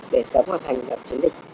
để sớm hoàn thành chiến địch